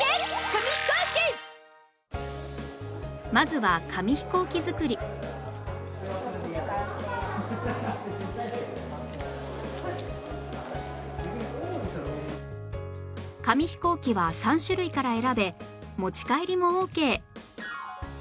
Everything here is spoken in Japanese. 紙ヒコーキは３種類から選べ持ち帰りもオーケー